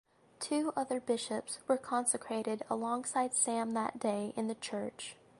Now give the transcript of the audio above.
Two other Bishops were consecrated alongside Sam that day in the church.